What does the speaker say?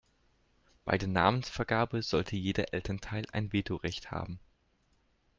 Bei der Namensvergabe sollte jeder Elternteil ein Veto-Recht haben.